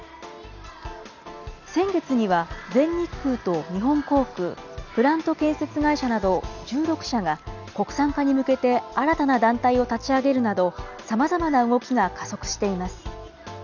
先月には全日空と日本航空、プラント建設会社など、１６社が国産化に向けて新たな団体を立ち上げるなど、さまざまな動きが加速しています。